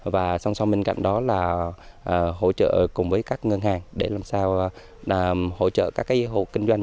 và song song bên cạnh đó là hỗ trợ cùng với các ngân hàng để làm sao hỗ trợ các hộ kinh doanh